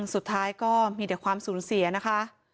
สุดท้ายก็มีแต่ความสูญเสียนะคะ